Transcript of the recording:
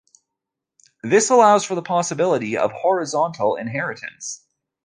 This allows for the possibility of horizontal inheritance.